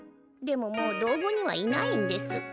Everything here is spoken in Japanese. でももう道後にはいないんです。